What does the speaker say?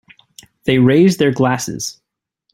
They raise their glasses.